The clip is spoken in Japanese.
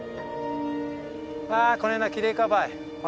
わあこの辺もきれいかばいほら。